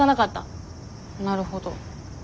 なるほど。